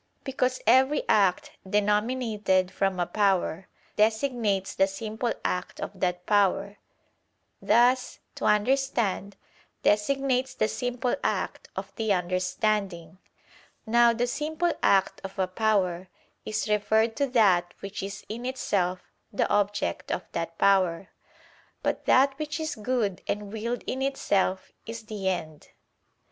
Because every act denominated from a power, designates the simple act of that power: thus "to understand" designates the simple act of the understanding. Now the simple act of a power is referred to that which is in itself the object of that power. But that which is good and willed in itself is the end.